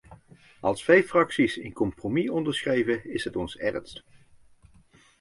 Als vijf fracties een compromis onderschrijven, is het ons ernst!